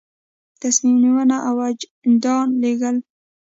تصمیم نیونه او د اجنډا لیږل.